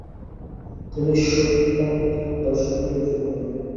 তিনি সৌত্রান্তিক দর্শনকেও যোগ করেন।